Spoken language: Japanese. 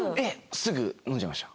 すぐ飲んじゃいました。